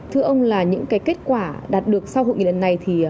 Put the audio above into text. thưa ông là những kết quả đạt được sau hội nghị lần này